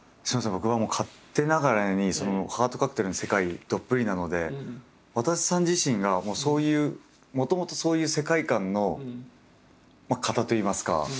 僕は勝手ながらに「ハートカクテル」の世界どっぷりなのでわたせさん自身がもうそういうもともとそういう世界観の方といいますか。